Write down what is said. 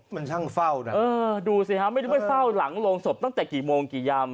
มันช่างเฝ้านะเออดูสิฮะไม่รู้ไปเฝ้าหลังโรงศพตั้งแต่กี่โมงกี่ยำ